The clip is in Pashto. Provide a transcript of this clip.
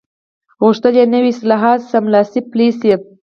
غوښتل یې نوي اصلاحات سملاسي پلي شي.